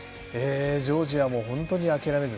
ジョージアも本当に諦めず。